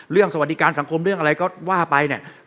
สวัสดิการสังคมเรื่องอะไรก็ว่าไปเนี่ย